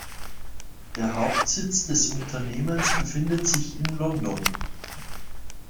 Der Hauptsitz des Unternehmens befindet sich in London.